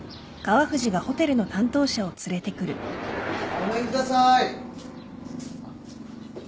ごめんください。